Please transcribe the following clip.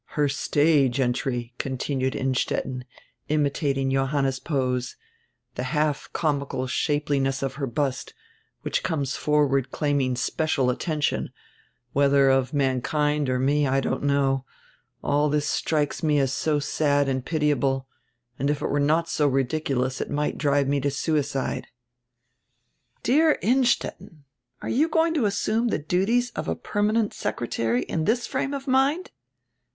Her stage entry," continued Innstetten, imitating Johanna's pose, "the half comical shapeliness of her bust, which conies forward claiming special attention, whether of mankind or me, I don't know — all this strikes me as so sad and pitiable, and if it were not so ridiculous, it might drive me to suicide." "Dear Innstetten, are you going to assume die duties of a permanent secretary in this frame of mind?"